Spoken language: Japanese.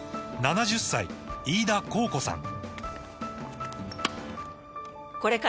７０歳飯田考子さん